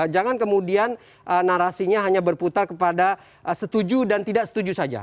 jangan kemudian narasinya hanya berputar kepada setuju dan tidak setuju saja